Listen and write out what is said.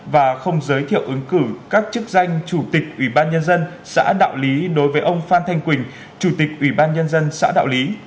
và không giới thiệu ứng cử các chức danh chủ tịch ủy ban nhân dân xã đạo lý đối với ông phan thanh quỳnh chủ tịch ủy ban nhân dân xã đạo lý